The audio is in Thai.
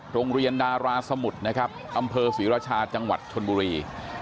โรงเรียนดาราสมุทรนะครับอำเภอศรีราชาจังหวัดชนบุรี